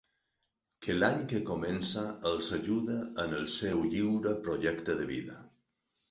Que l’any que comença els ajude en el seu lliure projecte de vida.